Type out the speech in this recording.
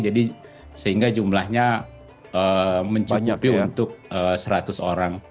jadi sehingga jumlahnya mencukupi untuk seratus orang